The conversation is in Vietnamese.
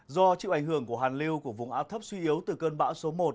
do chịu ảnh hưởng của hàn lưu của vùng áp thấp suy yếu từ cơn bão số một